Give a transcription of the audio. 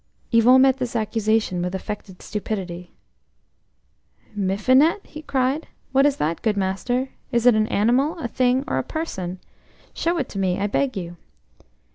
Yvon met this accusation with affected stupidity. "'Mifinet'?" he cried. "What is that, good master? Is it an animal, a thing, or a person? Show it to me, I beg you."